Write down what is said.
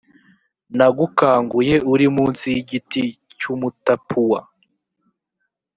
nagukanguye uri munsi y igiti cy umutapuwa